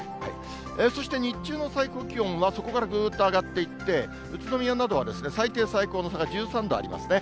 そして日中の最高気温は、そこからぐーっと上がっていって、宇都宮などは最低、最高の差が１３度ありますね。